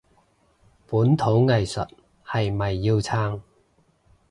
本土藝術係咪要撐？